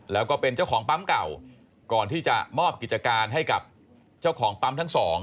แล้วก็เป็นเจ้าของปั๊มเก่าก่อนที่จะมอบกิจการให้กับเจ้าของปั๊มทั้งสอง